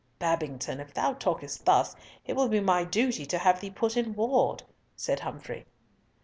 "Babington, if thou talkest thus, it will be my duty to have thee put in ward," said Humfrey.